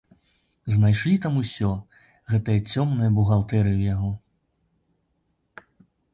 Знайшлі там усё, гэтыя цёмныя бухгалтэрыі ў яго.